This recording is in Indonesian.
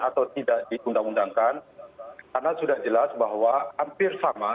atau tidak diundang undangkan karena sudah jelas bahwa hampir sama